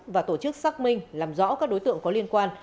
và tổ chức xác minh làm rõ các đối tượng có liên quan